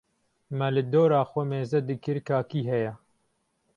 me li dora xwe mêzedikir ka kî heye.